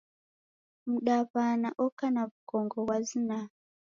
Mdaw'ana oka na w'ukongo ghwa zinaa.